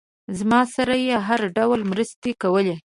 زما سره یې هر ډول مرستې کولې.